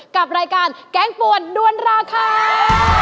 กับรายการแกงป่วนด้วนราคา